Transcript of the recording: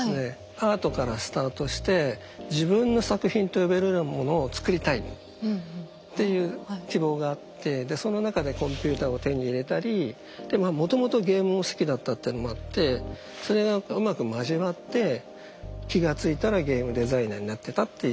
アートからスタートして自分の作品と呼べるようなものを作りたいっていう希望があってでその中でコンピューターを手に入れたりでまあもともとゲームを好きだったっていうのもあってそれがうまく交わって気が付いたらゲームデザイナーになってたっていう。